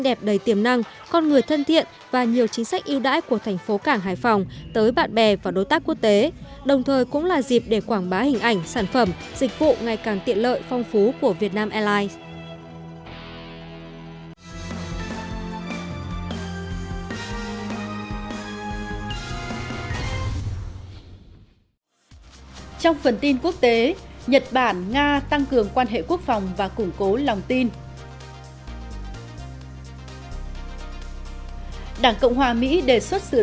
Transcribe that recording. đảng cộng hòa mỹ đề xuất sửa đổi dự luật chăm sóc sức khỏe